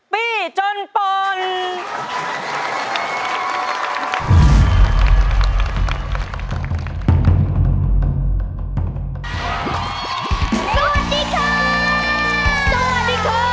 ปี้จนปล่น